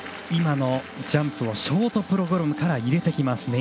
今のジャンプをショートプログラムから入れてきます